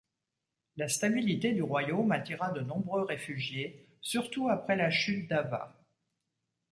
La stabilité du royaume attira de nombreux réfugiés, surtout après la chute d'Ava.